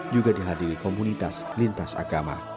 juga dihadiri komunitas lintas agama